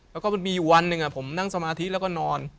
แล้วก็มันมีอยู่วันหนึ่งผมนั่งสมาธิแล้วก็นอน